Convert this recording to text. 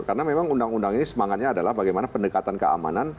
karena memang undang undang ini semangatnya adalah bagaimana pendekatan keamanan